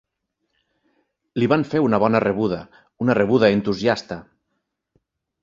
Li van fer una bona rebuda, una rebuda entusiasta.